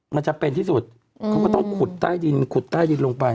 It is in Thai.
มันจะเป็นที่สุดเขาก็ต้องขุดใต้ดินขุดใต้ดินลงไป